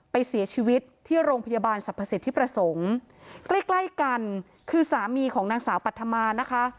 ไปเสียชีวิตที่โรงพยาบาลสรรพสิทธิประสงค์ใกล้ใกล้กันคือสามีของนางสาวปัธมานะคะ